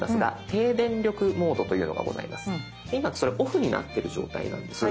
今それオフになってる状態なんです。